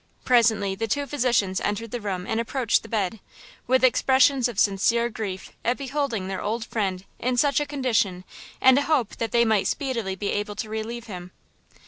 Presently the two physicians entered the room and approached the bed, with expressions of sincere grief at beholding their old friend in such a condition and a hope that they might speedily be able to relieve him.